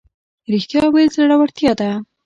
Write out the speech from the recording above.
ریښتیا ویل زړورتیا ده